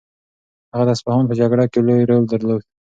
هغه د اصفهان په جګړه کې لوی رول درلود.